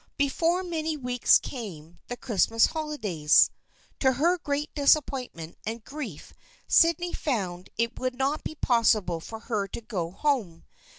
Before many weeks came the Christmas holidays. To her great disappointment and grief Sydney found that it would not be possible for her to go home.